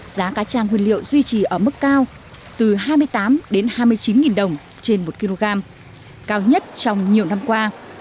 giá cá cha nguyên liệu duy trì ở mức cao từ hai mươi tám hai mươi chín đồng trên một kg cao nhất trong nhiều năm qua